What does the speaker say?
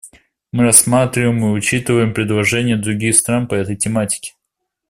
Мы рассматриваем и учитываем предложения других стран по этой тематике.